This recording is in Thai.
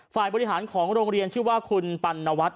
ฝ่ายบริหารของโรงเรียนชื่อว่าคุณปัณวัฒน